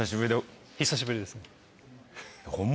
久しぶりです。